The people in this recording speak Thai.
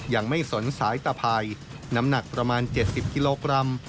ยังไม่สนสายตะภัยน้ำหนักประมาณ๗๐กิโลกรัม